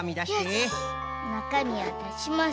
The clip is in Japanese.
よしなかみをだします。